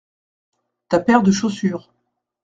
Ta paire de chaussures.